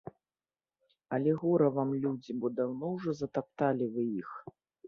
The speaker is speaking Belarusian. Але гора вам, людзі, бо даўно ўжо затапталі вы іх.